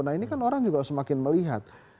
nah ini kan orang juga semakin melihat